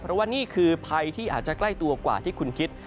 เพราะว่านี่คือภัยที่อาจจะใกล้ตัวกว่าที่คุณคิด